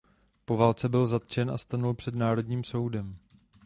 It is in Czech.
Po válce byl zatčen a stanul před Národním soudem.